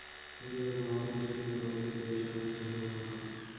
এই জগতে মহাপুরুষের কৃপালাভই জীবের সর্বোচ্চ সৌভাগ্য।